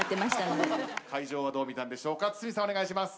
会場はどう見たんでしょうか堤さんお願いします。